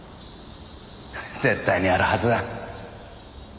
絶対にあるはずだ。